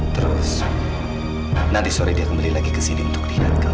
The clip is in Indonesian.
terus nanti sore dia kembali lagi ke sini untuk dilihat